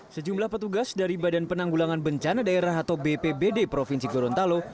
sejumlah petugas dari badan penanggulangan bencana daerah atau bpbd provinsi gorontalo